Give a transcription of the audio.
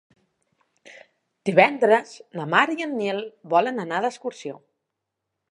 Divendres na Mar i en Nil volen anar d'excursió.